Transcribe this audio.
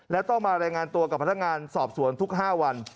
และต้องมารายงานตัวกับพนักงานสอบสวนทุก๕วัน